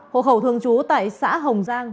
hộ khẩu thường trú tại xã hồng giang